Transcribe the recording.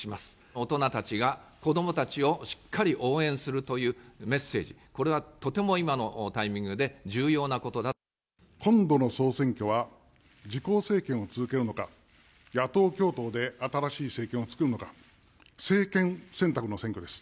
大人たちが子どもたちをしっかり応援するというメッセージ、これはとても今のタイミングで重今度の総選挙は、自公政権を続けるのか、野党共闘で新しい政権を作るのか、政権選択の選挙です。